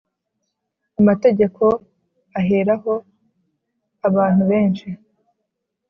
amategeko aheraho; abantu benshi